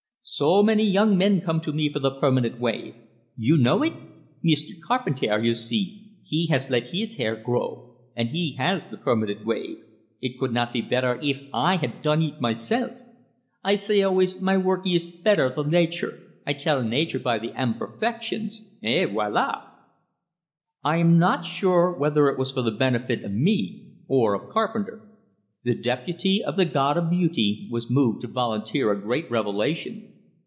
So many young men come to me for the permanent wave! You know eet? Meester Carpentair, you see, he has let hees hair grow, and he has the permanent wave eet could not be bettair eef I had done eet myself. I say always, 'My work ees bettair than nature, I tell nature by the eemperfections.' Eh, voila?" I am not sure whether it was for the benefit of me or of Carpenter. The deputee of the god of beautee was moved to volunteer a great revelation.